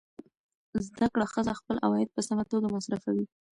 زده کړه ښځه خپل عواید په سمه توګه مصرفوي.